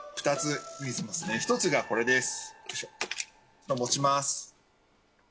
１つがこれです。